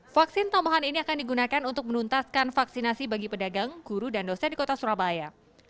vaksin tambahan ini akan digunakan untuk menuntaskan vaksinasi bagi pedagang guru dan dosen di kota surabaya